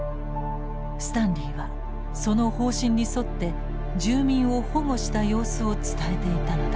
スタンリーはその方針に沿って住民を保護した様子を伝えていたのだ。